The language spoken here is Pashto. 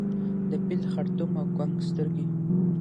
د فیل خړتوم او کونګ سترګي